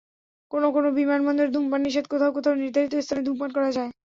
কোনো কোনো বিমানবন্দরে ধূমপান নিষেধ, কোথাও কোথাও নির্ধারিত স্থানে ধূমপান করা যায়।